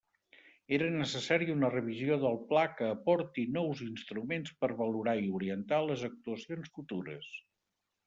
Era necessària una revisió del Pla que aporti nous instruments per valorar i orientar les actuacions futures.